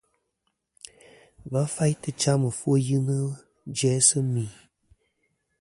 Va faytɨ cham ɨfwoyɨnɨ jæ sɨ mì.